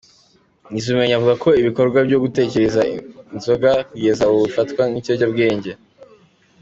Bizumuremyi avuga ko ibikorwa byo guteka iyi nzoga kugeza ubu ifatwa nk’ikiyobyabwenge.